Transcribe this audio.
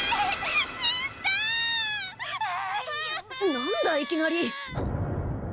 何だいきなり。